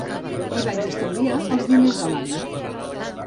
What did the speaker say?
I vaig estalviar els diners de l'àvia.